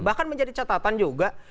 bahkan menjadi catatan juga